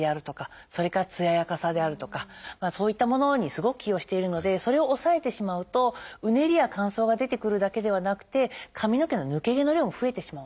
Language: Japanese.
それからつややかさであるとかそういったものにすごく寄与しているのでそれを抑えてしまうとうねりや乾燥が出てくるだけではなくて髪の毛の抜け毛の量も増えてしまうんですね。